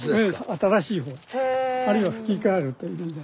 新しい方あるいはふき替えるというね。